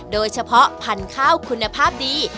โดยเฉพาะพันธุ์ข้าวคุณภาพดี